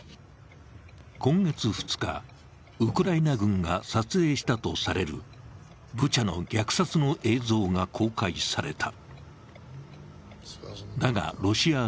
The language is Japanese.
今月２日、ウクライナ軍が撮影したとされるブチャの虐殺の映像が公開された。